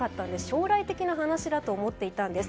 将来的な話だと思っていたんです。